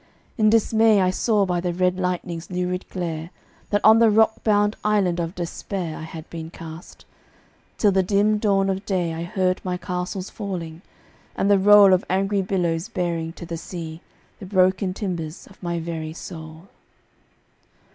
In dismay I saw by the red lightning's lurid glare That on the rock bound island of despair I had been cast. Till the dim dawn of day I heard my castles falling, and the roll Of angry billows bearing to the sea The broken timbers of my very soul.